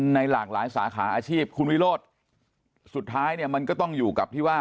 หลากหลายสาขาอาชีพคุณวิโรธสุดท้ายเนี่ยมันก็ต้องอยู่กับที่ว่า